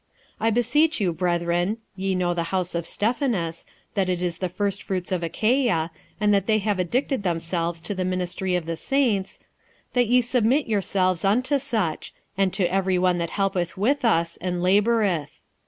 46:016:015 I beseech you, brethren, (ye know the house of Stephanas, that it is the firstfruits of Achaia, and that they have addicted themselves to the ministry of the saints,) 46:016:016 That ye submit yourselves unto such, and to every one that helpeth with us, and laboureth.